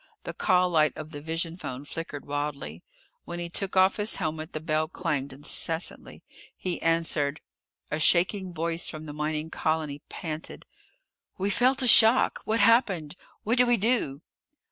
The call light of the vision phone flickered wildly. When he took off his helmet the bell clanged incessantly. He answered. A shaking voice from the mining colony panted: "We felt a shock! What happened? What do we do?"